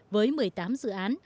với một mươi tám dự án